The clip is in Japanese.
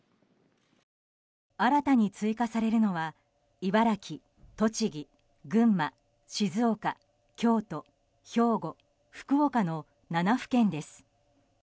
新たに追加されるのは茨城、栃木、群馬、静岡京都、兵庫、福岡の７府県です。